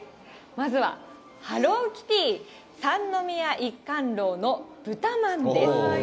まずはハローキティ三宮一貫楼の豚まんです。